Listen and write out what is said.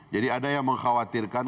jadi ada yang mengkhawatirkan